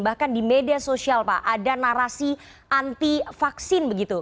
bahkan di media sosial pak ada narasi anti vaksin begitu